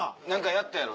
やったやろ。